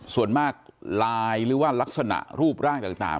ส่วนมากลายหรือว่ารักษณะรูปร่างต่าง